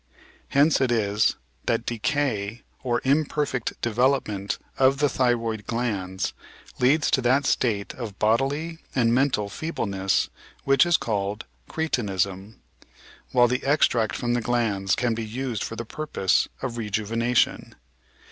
Hence it is that decay or imperfect development of the th3rroid glands leads to that state of bodily and mental feebleness which is called "cretinism," while the extract from the glands can be used for the purpose of "rejuvenation."